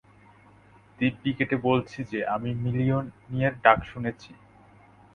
দিব্যি কেটে বলছি যে আমি মিওলনিরের ডাক শুনেছি।